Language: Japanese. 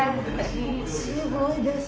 すごいです！